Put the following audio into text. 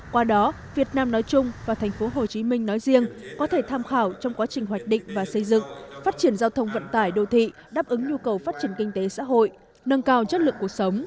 qua đó việt nam nói chung và tp hcm nói riêng có thể tham khảo trong quá trình hoạch định và xây dựng phát triển giao thông vận tải đô thị đáp ứng nhu cầu phát triển kinh tế xã hội nâng cao chất lượng cuộc sống